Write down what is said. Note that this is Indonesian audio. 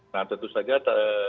nah tentu saja sebagai bagi kita